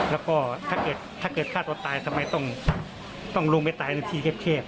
แล้วก็ถ้าเกิดฆ่าตัวตายทำไมต้องลงไปตายในที่แคบ